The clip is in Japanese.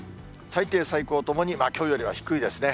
最低最高ともに、きょうよりは低いですね。